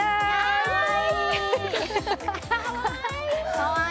かわいい！